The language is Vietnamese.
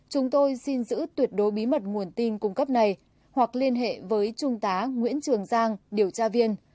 chúng tôi xin giữ tuyệt đối bí mật nguồn tin cung cấp này hoặc liên hệ với trung tá nguyễn trường giang điều tra viên